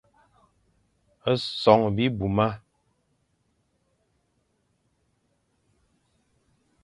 Son bibmuma.